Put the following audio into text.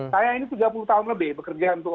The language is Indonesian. saya ini tiga puluh tahun lebih bekerja untuk